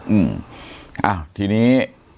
อืมอ่าตีนี้